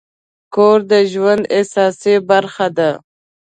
کور د ژوند اساسي برخه ده.